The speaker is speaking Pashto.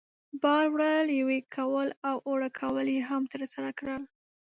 بار وړل، یوې کول او اوړه کول یې هم ترسره کول.